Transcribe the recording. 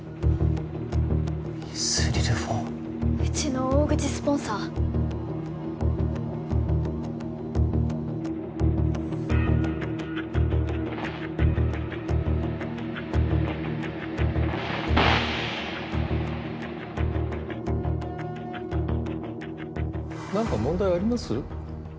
ミスリルフォンうちの大口スポンサー何か問題あります？